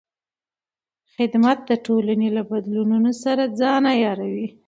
خدمت د ټولنې له بدلونونو سره ځان عیاروي.